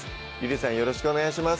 よろしくお願いします